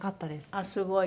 ああすごい。